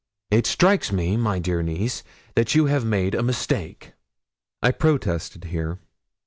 It strikes me, my dear niece, that you must have made a mistake.' I protested here.